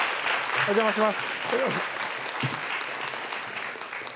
お邪魔します。